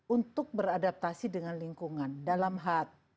untuk beradaptasi dengan lingkungan dalam hati